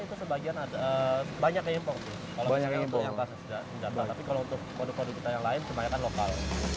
tapi kalau untuk produk produk kita yang lain kebanyakan lokal